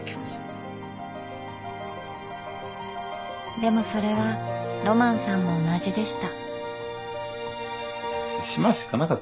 でもそれはロマンさんも同じでした。